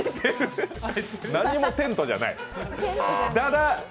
何もテントじゃない。